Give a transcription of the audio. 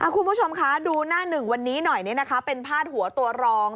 คุณผู้ชมคะดูหน้าหนึ่งวันนี้หน่อยเป็นพาดหัวตัวรอง